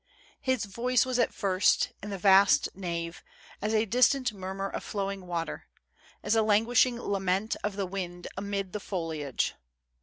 His voice was at first, in the vast nave, as a distant murmur of flowing water, as a languishing lament of the wind amid the foliage.